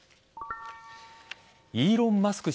イーロン・マスク